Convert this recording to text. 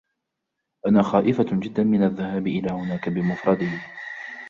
أنا خائفه جداً من الذهاب إلى هناك بمفردي.